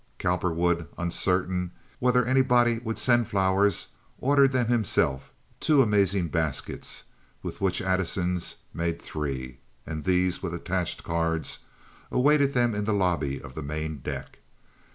Cowperwood, uncertain whether anybody would send flowers, ordered them himself—two amazing baskets, which with Addison's made three—and these, with attached cards, awaited them in the lobby of the main deck.